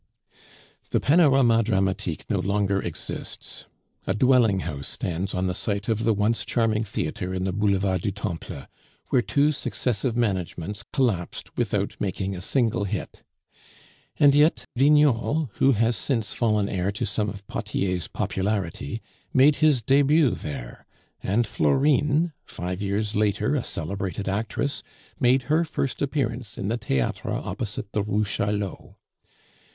The Panorama Dramatique no longer exists. A dwelling house stands on the site of the once charming theatre in the Boulevard du Temple, where two successive managements collapsed without making a single hit; and yet Vignol, who has since fallen heir to some of Potier's popularity, made his debut there; and Florine, five years later a celebrated actress, made her first appearance in the theatre opposite the Rue Charlot.